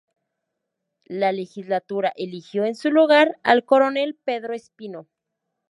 La legislatura eligió en su lugar al coronel Pedro Espino.